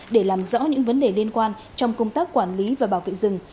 để làm rõ những vấn đề liên quan trong công tác quản lý và bảo vệ rừng